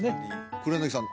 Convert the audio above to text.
黒柳さん